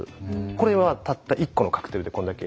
これはたった１個のカクテルでこんだけ。